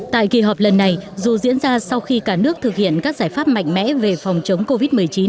tại kỳ họp lần này dù diễn ra sau khi cả nước thực hiện các giải pháp mạnh mẽ về phòng chống covid một mươi chín